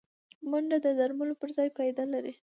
منډه د درملو پر ځای فایده لري